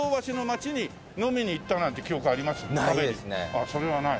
ああそれはない。